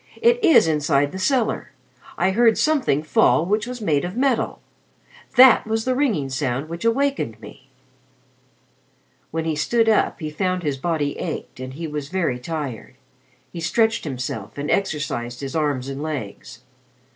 "It is inside the cellar. I heard something fall which was made of metal. That was the ringing sound which awakened me." When he stood up, he found his body ached and he was very tired. He stretched himself and exercised his arms and legs.